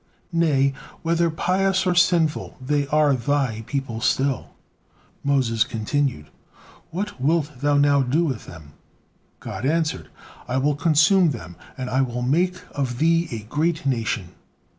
Nay, whether pious or sinful, they are Thy people still." Moses continued: "What wilt Thou now do with them?" God answered: "I will consume them, and I will make of thee a great nation."